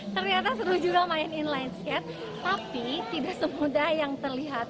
ternyata seru juga main inline skate tapi tidak semudah yang terlihat